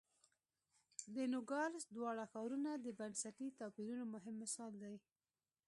د نوګالس دواړه ښارونه د بنسټي توپیرونو مهم مثال دی.